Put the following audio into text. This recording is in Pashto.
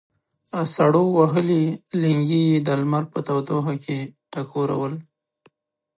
سړو وهلي لېنګي یې د لمر په تودوخه کې ټکورول.